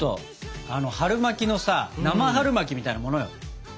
あの春巻きのさ生春巻きみたいなものよ。